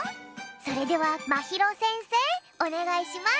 それではまひろせんせいおねがいします！